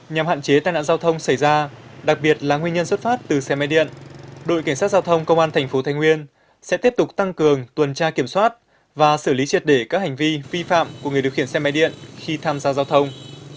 nhằm hạn chế tai nạn giao thông xảy ra đặc biệt là nguyên nhân xuất phát từ xe máy điện đội cảnh sát giao thông công an thành phố thái nguyên sẽ tiếp tục tăng cường tuần tra kiểm soát và xử lý triệt để các hành vi vi phạm của người điều khiển xe máy điện khi tham gia giao thông